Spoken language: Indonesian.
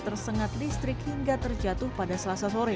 tersengat listrik hingga terjatuh pada selasa sore